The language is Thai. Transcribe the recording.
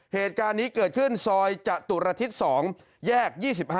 เหตุการณ์นี้เกิดขึ้นซอยจตุรทิศ๒แยก๒๕